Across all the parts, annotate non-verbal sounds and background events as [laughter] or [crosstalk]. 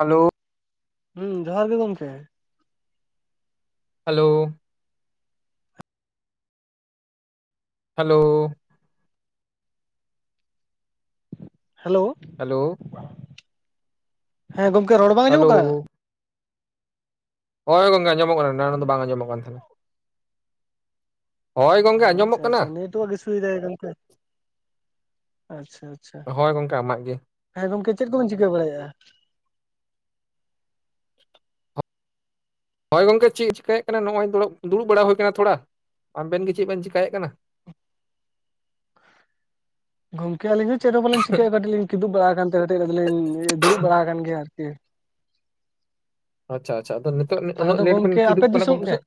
Hello ᱦᱩᱸ ᱡᱚᱦᱟᱨ ᱜᱮ ᱜᱚᱝᱠᱮ᱾ ᱦᱮᱞᱳᱣ᱾ ᱦᱮᱞᱳᱣ᱾ ᱦᱮᱞᱳᱣ᱾ ᱦᱮᱞᱳᱣ᱾ ᱦᱮᱸ ᱜᱚᱝᱠᱮ ᱨᱚᱲ ᱵᱟᱝ ᱦᱮᱞᱳ ᱟᱸᱡᱚᱢᱚᱜ ᱠᱟᱱᱟ? ᱦᱚᱭ ᱜᱚᱝᱠᱮ ᱟᱸᱚᱢᱚᱜ ᱠᱟᱱᱟ ᱮᱱᱟᱱᱚ ᱫᱚ ᱵᱟᱝ ᱟᱸᱡᱚᱢᱚᱜ ᱠᱟᱱ ᱛᱟᱦᱮᱱᱟ᱾ ᱦᱚᱭ ᱜᱚᱝᱠᱮ ᱟᱪᱪᱷᱟ ᱟᱸᱡᱚᱢᱚᱜ ᱠᱟᱱᱟ᱾ [unintelligible] ᱟᱪᱪᱷᱟ᱾ ᱟᱪᱪᱷᱟ ᱦᱚᱭ ᱜᱚᱝᱠᱮ ᱟᱢᱟᱜ ᱜᱮ? ᱦᱮᱸ ᱜᱚᱝᱠᱮ ᱪᱮᱫ ᱠᱚᱵᱮᱱ ᱪᱤᱠᱟᱹ ᱵᱟᱲᱟᱭᱟ? ᱦᱚᱭ ᱜᱚᱝᱠᱮ ᱪᱤᱜ ᱪᱮᱠᱟᱭᱮᱜ ᱠᱟᱱᱟ ᱱᱚᱜᱼᱚᱭ ᱫᱚᱲᱚᱵ ᱫᱩᱲᱩᱵ ᱵᱟᱲᱟ ᱦᱩᱭ ᱠᱟᱱᱟ ᱛᱷᱚᱲᱟ, ᱟᱵᱮᱱ ᱜᱮ ᱪᱮᱜ ᱵᱮᱱ ᱪᱮᱠᱟᱭᱮᱜ ᱠᱟᱱᱟ? ᱜᱚᱝᱠᱮ ᱟᱹᱞᱤᱧ ᱦᱚᱸ ᱪᱮᱫ ᱦᱚᱸ ᱵᱟᱞᱤᱧ ᱪᱤᱠᱟᱹᱭᱟ ᱠᱟᱹᱴᱤᱡ ᱞᱤᱧ ᱠᱤᱫᱩᱵ ᱵᱟᱲᱟ ᱟᱠᱟᱱᱛᱮ ᱠᱟᱹᱴᱤᱡ ᱟᱫᱚᱞᱤᱧ ᱫᱩᱲᱩᱵ ᱵᱟᱲᱟ ᱟᱠᱟᱱ ᱜᱮᱭᱟ ᱟᱨᱠᱤ᱾ ᱟᱪᱪᱷᱟ ᱟᱪᱪᱷᱟ ᱟᱫᱚ ᱱᱤᱛᱚᱜ ᱛᱟᱦᱚᱞᱮ ᱩᱱᱟᱹᱜ ᱫᱚ ᱞᱮᱴ ᱵᱮᱱ ᱜᱚᱢᱠᱮ ᱟᱯᱮ ᱠᱤᱫᱩᱜ ᱠᱟᱱᱟ ᱫᱤᱥᱚᱢ ᱜᱚᱝᱠᱮ? ᱥᱮᱫ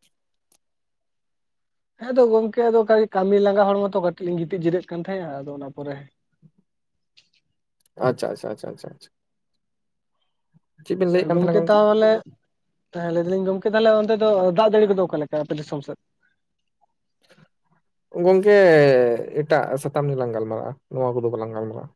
[inaudible] ᱦᱮᱸ ᱫᱚ ᱜᱚᱝᱠᱮ ᱟᱫᱚ ᱠᱟᱹᱭ ᱠᱟᱹᱢᱤ ᱞᱟᱸᱜᱟ ᱦᱚᱲᱢᱳ ᱛᱚ ᱠᱟᱹᱴᱤᱡ ᱞᱤᱧ ᱜᱤᱛᱤᱡ ᱡᱤᱨᱟᱹᱜ ᱠᱟᱱ ᱛᱟᱦᱮᱸᱜᱼᱟ ᱟᱫᱚ ᱚᱱᱟ ᱯᱚᱨᱮ ᱟᱪᱪᱷᱟ ᱟᱪᱪᱷᱟ ᱟᱪᱪᱷᱟ ᱟᱪᱪᱷᱟ ᱾ ᱥᱟ ᱜᱚᱝᱠᱮ ᱛᱟᱦᱚᱞᱮ ᱛᱟᱦᱞᱮ ᱞᱟᱹᱭ ᱫᱟᱞᱤᱧ ᱜᱚᱝᱠᱮ ᱛᱟᱦᱞᱮ ᱚᱱᱛᱮ ᱫᱚ ᱫᱟᱜ ᱡᱟᱲᱤ ᱠᱚᱫᱚ ᱚᱠᱟᱞᱮᱠᱟ ᱟᱯᱮ ᱫᱤᱥᱚᱢ ᱥᱮᱫ? ᱜᱚᱝᱠᱮ ᱮᱴᱟᱜ ᱥᱟᱛᱟᱢ ᱱᱤᱭᱮᱞᱟᱝ ᱜᱟᱞᱢᱟᱨᱟᱜᱼᱟ ᱱᱚᱣᱟ ᱠᱚᱫᱚ ᱵᱟᱞᱟᱝ ᱜᱟᱞᱢᱟᱨᱟᱜᱼᱟ ᱾